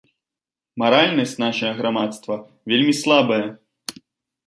Маральнасць нашага грамадства вельмі слабая.